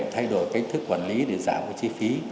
thay đổi cách thức quản lý để giảm cái chi phí